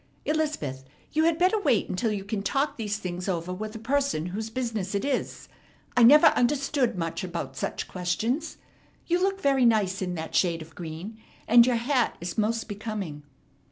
Elizabeth, you had better wait until you can talk these things over with a person whose business it is. I never understood much about such questions. You look very nice in that shade of green, and your hat is most becoming."